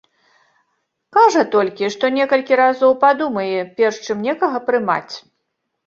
Кажа толькі, што некалькі разоў падумае, перш чым некага прымаць.